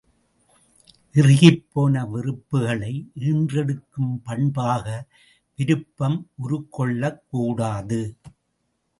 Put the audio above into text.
இறுகிப்போன வெறுப்புக்களை ஈன்றெடுக்கும் பண்பாக விருப்பம் உருக்கொள்ளக்கூடாது.